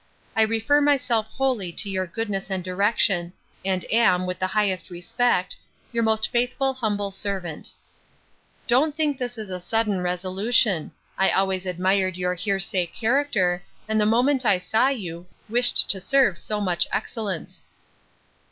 I refer myself wholly to your goodness and direction; and am, with the highest respect, 'Your most faithful humble servant.' 'Don't think this a sudden resolution. I always admired your hear say character; and the moment I saw you, wished to serve so much excellence.